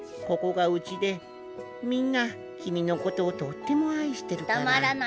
ここがうちでみんな君のことをとっても愛してるから。